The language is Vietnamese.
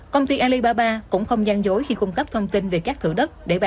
công ty alibaba cũng không gian dối khi cung cấp thông tin về các thử đất